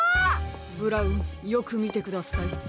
ブラウンよくみてください。